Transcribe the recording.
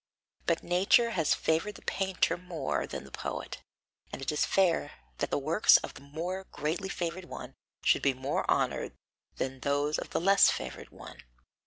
But nature has favoured the painter more than the poet, and it is fair that the works of the more greatly favoured one should be more honoured than those of the less favoured one.